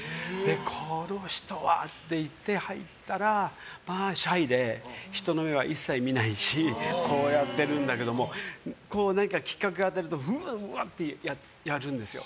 この人はって言って入ったら、シャイで人の目は一切見ないしこうやってるんだけども何かきっかけを与えるとうわーってやるんですよ。